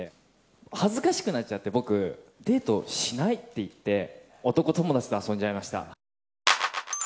僕、恥ずかしくなっちゃってデートしない！って言って男友達と遊んじゃいました。